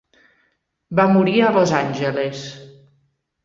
Va morir a Los Angeles.